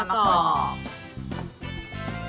อัตมากกอบ